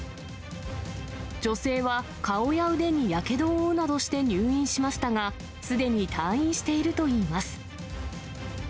女性は顔や腕にやけどを負うなどして入院しましたが、すでに退院しているといいます。